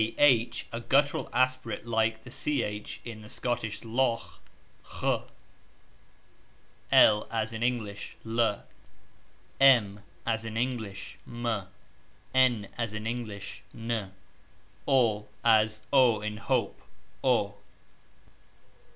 ...... A guttural aspirate like ch in the Scotch loch As in English ............ As in English As in English As o in hope ......